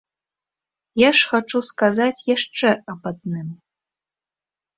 Я ж хачу сказаць яшчэ аб адным.